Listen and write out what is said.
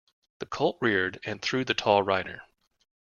The colt reared and threw the tall rider.